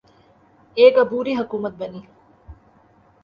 ایک عبوری حکومت بنی۔